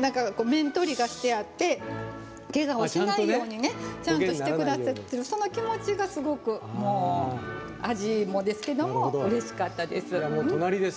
だから、面取りがしてあってけがをしないようにちゃんとしてくださってるその気持ちがすごく味もですけどもうれしかったです。